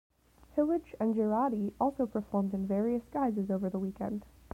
Hillage and Giraudy also performed in various guises over the weekend.